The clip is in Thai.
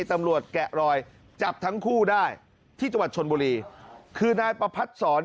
แกะรอยจับทั้งคู่ได้ที่จังหวัดชนบุรีคือนายประพัดศร